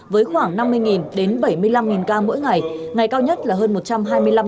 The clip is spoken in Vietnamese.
với khoảng năm mươi đến bảy mươi năm ca mỗi ngày ngày cao nhất là hơn một trăm hai mươi năm ca